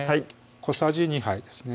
小さじ２杯ですね